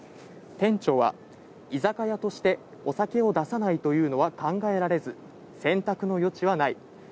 店長は、居酒屋としてお酒を出さないというのは考えられず、選択の余地はない。